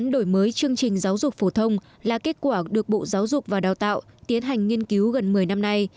đổi mới chương trình giáo dục phổ thông là kết quả được bộ giáo dục và đào tạo tiến hành nghiên cứu gần một mươi năm nay